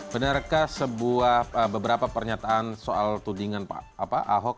benarkah beberapa pernyataan soal tudingan ahok